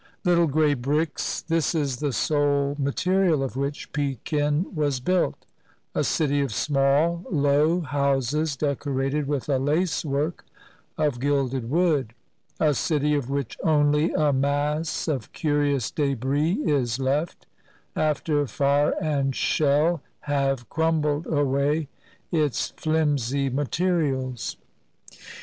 Little gray bricks, — this is the sole material of which Pekin was built; a city of small, low houses decorated with a lacework of gilded wood; a city of which only a mass of curious debris is left, after fire and shell have crumbled away its flimsy materials.